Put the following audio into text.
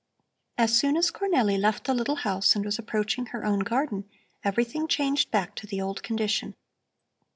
As soon as Cornelli left the little house and was approaching her own garden, everything changed back to the old condition.